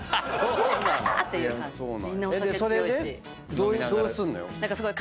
どうすんのよ？